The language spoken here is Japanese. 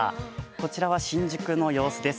こちらは新宿の様子です。